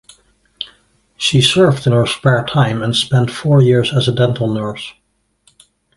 She surfed in her spare time, and spent four years as a dental nurse.